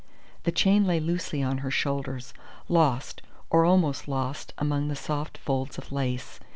The chain lay loosely on her shoulders, lost, or almost lost among soft folds of lace.